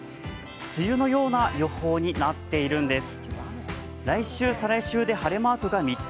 梅雨のような予報になっているんです。